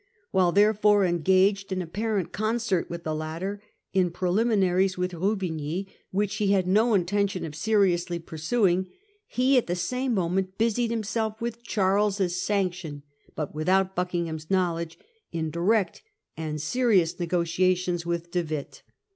While therefore engaged, in apparent concert with the latter, in preliminaries with Ruvigny which he had no intention of seriously pursuing, he at the same moment busied himself, with Charles's sanction, but without Buckingham's knowledge, in direct and serious negotiations with De Witt.